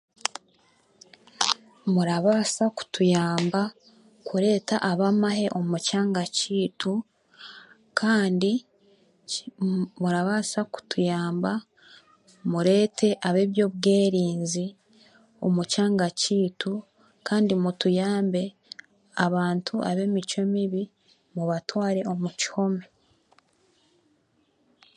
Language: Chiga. Murabaasa kutuyamba kureeta ab'amahe omu kyanga kyaitu kandi mu murabaasa kutuyamba mureete ab'eby'obwerinzi omu kyanga kyaitu kandi mutuyambe abaana ab'emicwe mibi mubatware omu kihome